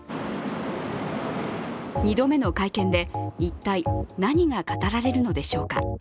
２度目の会見で一体何が語られるのでしょうか。